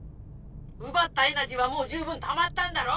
うばったエナジーはもう十分たまったんだろ？